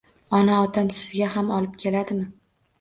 Ona, otam sizga ham olib keladimi?